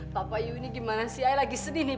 papa apa ini aku sedih